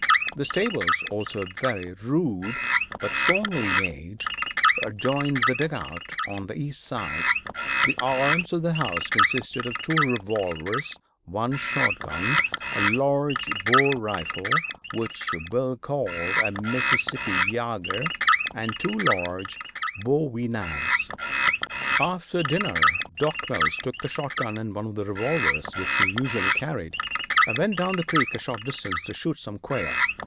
The stables, also very rude but strongly made, adjoined the "dugout" on the east side. The arms in the house consisted of two revolvers, one shot gun, a large bore rifle, which Bill called a Mississippi yager, and two large bowie knives. [Illustration: Wild Bill "Civilizes" the Neighborhood.] After dinner, Doc. Mills took the shot gun and one of the revolvers which he usually carried and went down the creek a short distance to shoot some quail.